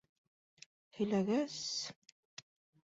Һөйләгәс...